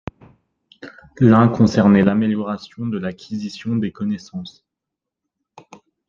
L’un concernait l’amélioration de l’acquisition des connaissances.